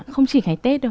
không chỉ ngày tết đâu